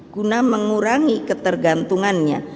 guna mengurangi ketergantungannya